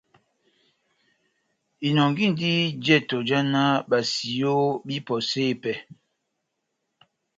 Inɔngindi jɛtɔ já náh basiyo bahipɔse pɛhɛ.